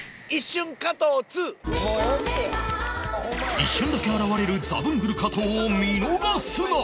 一瞬だけ現れるザブングル加藤を見逃すな！